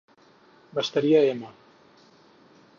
M'estaria m